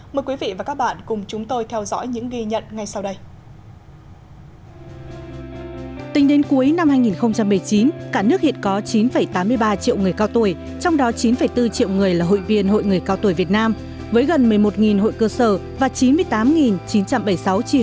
mời quý vị và các bạn cùng chúng tôi theo dõi những ghi nhận ngay sau đây